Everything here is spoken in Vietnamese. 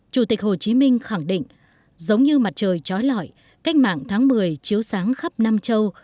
chủ tịch hồ chí minh khẳng định giống như mặt trời trói lõi cách mạng tháng một mươi chiếu sáng khắp nam châu